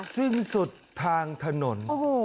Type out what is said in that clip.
สิ้นสุดทางถนน